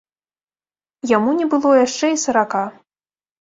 Яму не было яшчэ і сарака.